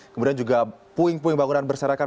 kemudian juga puing puing bangunan berserakan